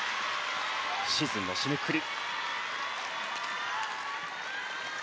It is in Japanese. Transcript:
シーズンの締めくくり。